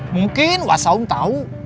mungkin wasaung tahu